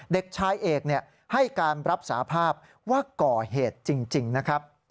เด็กชายเอกให้การรับสาภาพว่าก่อเหตุจริงนะครับ